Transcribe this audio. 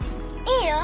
いいよ。